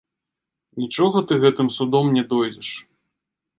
Нічога ты гэтым судом не дойдзеш!